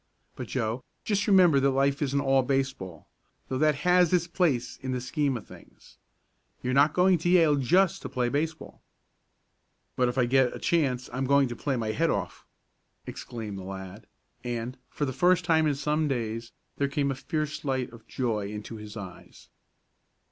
But, Joe, just remember that life isn't all baseball, though that has its place in the scheme of things. You're not going to Yale just to play baseball." "But, if I get a chance, I'm going to play my head off!" exclaimed the lad, and, for the first time in some days there came a fierce light of joy into his eyes.